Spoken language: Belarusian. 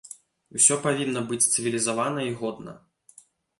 Усё павінна быць цывілізавана і годна.